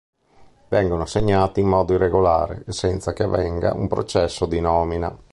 Vengono assegnati in modo irregolare e senza che avvenga un processo di nomina.